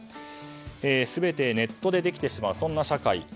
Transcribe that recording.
全てネットでできてしまう社会